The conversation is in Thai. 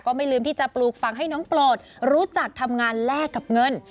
ไม่ลืมที่จะปลูกฝังให้น้องโปรดรู้จักทำงานแลกกับเงิน